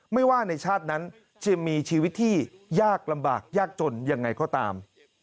ว่าในชาตินั้นจะมีชีวิตที่ยากลำบากยากจนยังไงก็ตาม